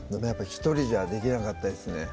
１人じゃできなかったですね